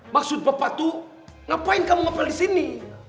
maksud bapak tuh ngapain kamu ngepel disini